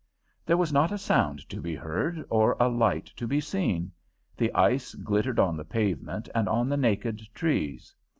There was not a sound to be heard or a light to be seen. The ice glittered on the pavement and on the naked trees.